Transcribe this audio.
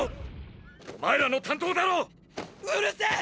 お前らの担当だろ⁉うるせぇ！！